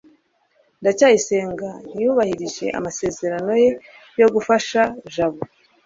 ndacyayisenga ntiyubahirije amasezerano ye yo gufasha jabo